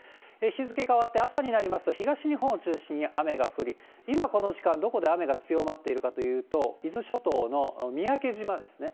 日付変わって、朝になりますと、東日本を中心に雨が降り、今この時間、どこで雨が強まっているかというと、伊豆諸島の三宅島ですね。